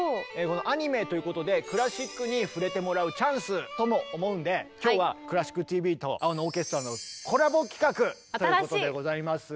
アニメということでクラシックに触れてもらうチャンスとも思うんで今日は「クラシックＴＶ」と「青のオーケストラ」のコラボ企画ということでございますね。